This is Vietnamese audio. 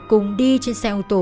cùng đi trên xe ô tô